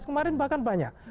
kemarin bahkan banyak